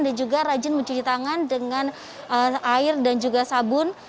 dan juga rajin mencuci tangan dengan air dan juga sabun